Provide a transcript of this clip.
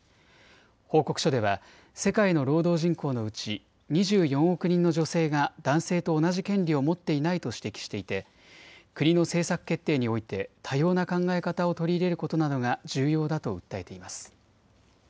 報告書では世界の労働人口のうち２４億人の女性が男性と同じ権利を持っていないと指摘していて国の政策決定において多様な考え方を取り入れることなどが重要だと訴えています。